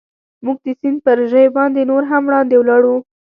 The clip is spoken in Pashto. موږ د سیند پر ژۍ باندې نور هم وړاندې ولاړو.